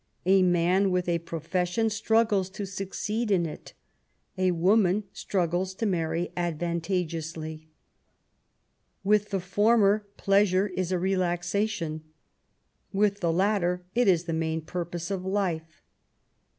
A man with a profession struggles to succeed in it. A woman atru^les to marry advantageously. With the former, pleasure is a relaxation ; with the latter^ it is the main purpose of life.